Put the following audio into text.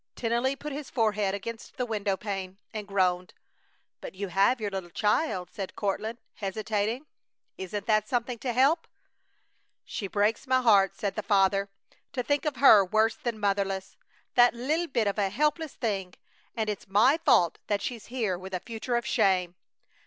Tennelly put his forehead against the window pane and groaned. "But you have your little child," said Courtland, hesitating. "Isn't that something to help?" "She breaks my heart," said the father. "To think of her worse than motherless! That little bit of a helpless thing! And it's my fault that she's here with a future of shame!"